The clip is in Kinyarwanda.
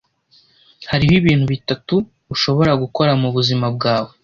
Hariho ibintu bitatu ushobora gukora mubuzima bwawe: